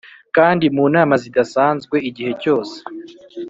kandi mu nama zidasanzwe igihe cyose